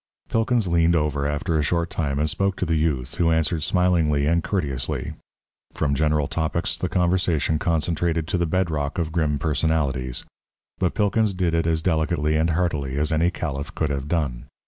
Pilkins leaned over after a short time and spoke to the youth, who answered smilingly, and courteously. From general topics the conversation concentrated to the bed rock of grim personalities. But Pilkins did it as delicately and heartily as any caliph could have done.